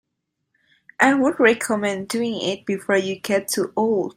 I would recommend doing it before you get too old.